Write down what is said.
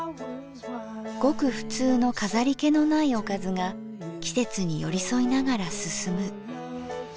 ごく普通の飾り気のないおかずが季節に寄り添いながら進む。